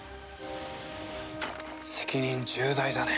責任重大だね。